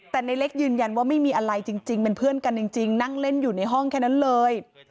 แต่ในเล็กยืนยันว่าไม่มีอะไรจริงเป็นเพื่อนกันจริงนั่งเล่นอยู่ในห้องแค่นั้นเลย